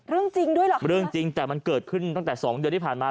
จริงด้วยเหรอคะเรื่องจริงแต่มันเกิดขึ้นตั้งแต่สองเดือนที่ผ่านมา